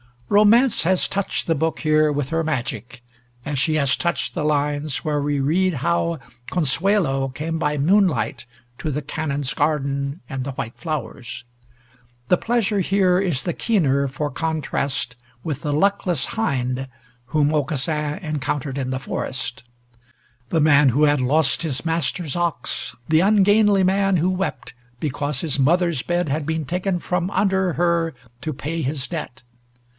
Romance has touched the book here with her magic, as she has touched the lines where we read how Consuelo came by moonlight to the Canon's garden and the white flowers. The pleasure here is the keener for contrast with the luckless hind whom Aucassin encountered in the forest: the man who had lost his master's ox, the ungainly man who wept, because his mother's bed had been taken from under her to pay his debt.